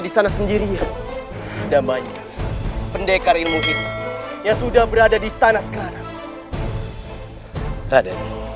di sana sendiri damai pendekar ilmu hidup yang sudah berada di istana sekarang raden